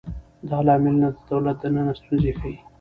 دا لاملونه د دولت دننه ستونزې ښيي.